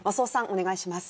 お願いします